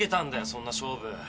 そんな勝負。